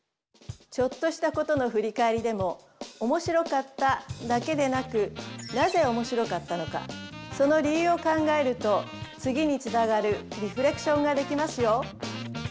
ちょっとしたことの振り返りでも面白かっただけでなくなぜ面白かったのかその理由を考えると次につながるリフレクションができますよ。